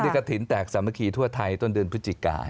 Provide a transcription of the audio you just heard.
กระถิ่นแตกสามัคคีทั่วไทยต้นเดือนพฤศจิกา